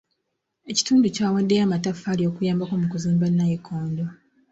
Ekitundu kyawaddeyo amataffaali okuyambako mu kuzimba nnayikondo.